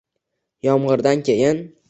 Yomg’irdan keyin